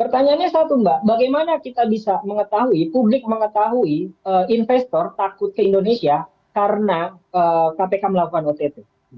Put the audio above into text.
pertanyaannya satu mbak bagaimana kita bisa mengetahui publik mengetahui investor takut ke indonesia karena kpk melakukan ott